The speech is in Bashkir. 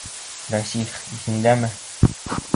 Рәсих, иҫеңдәме?